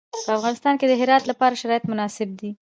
په افغانستان کې د هرات لپاره شرایط مناسب دي.